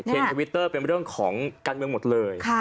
ทวิตเตอร์เป็นเรื่องของการเมืองหมดเลย